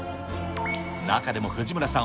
中でも藤村さん